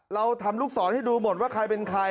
เราทำลูกศรให้ดูหมดว่าใครเป็นใคร